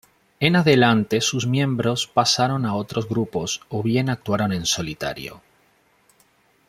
En adelante sus miembros pasaron a otros grupos o bien actuaron en solitario.